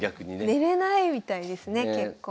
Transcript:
寝れないみたいですね結構。